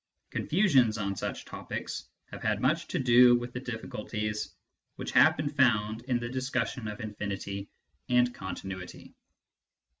Confusions on such topics have had much to do with the difficulties which have been found in the discussion of infinity and continuity.